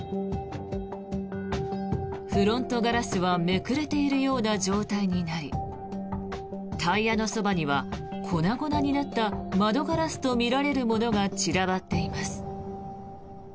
フロントガラスはめくれているような状態になりタイヤのそばには、粉々になった窓ガラスとみられるものが散らばっています。